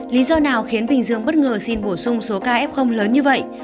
lý do nào khiến bình dương bất ngờ xin bổ sung số ca f lớn như vậy